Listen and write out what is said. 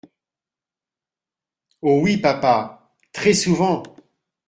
Oh ! oui, papa… très souvent.